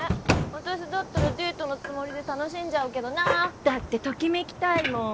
私だったらデートのつもりで楽しんじゃうけどなだってときめきたいもん